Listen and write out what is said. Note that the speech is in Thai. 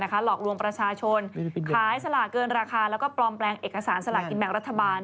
หลอกลวงประชาชนขายสลากเกินราคาแล้วก็ปลอมแปลงเอกสารสลากินแบ่งรัฐบาล